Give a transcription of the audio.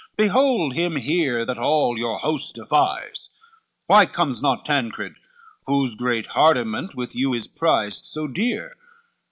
Behold him here that all your host defies: Why comes not Tancred, whose great hardiment, With you is prized so dear?